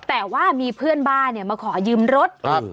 แต่ว่ามีเพื่อนบ้านเนี่ยมาขอยืมรถ